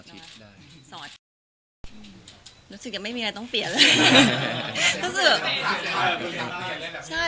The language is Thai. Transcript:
รู้สึกยังไม่มีอะไรต้องเปลี่ยนเลย